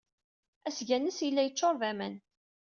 Asga-nnes yella yeccuṛ d aman.